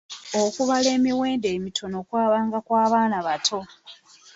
Okubala emiwendo emitono kwabanga kwa baana bato.